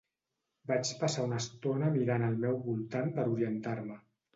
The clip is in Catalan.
Vaig passar una estona mirant al meu voltant per orientar-me.